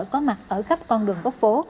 có mặt ở khắp con đường góc phố